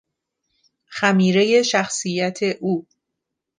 خمیرهی شخصیت او